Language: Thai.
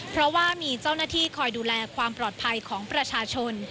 เพราะว่ามีเจ้าหน้าที่คอยดูแลความปลอดภัยของประชาชน